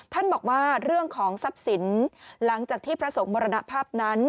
บอกว่าเรื่องของทรัพย์สินหลังจากที่พระสงฆ์มรณภาพนั้น